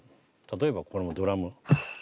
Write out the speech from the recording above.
例えばこのドラム。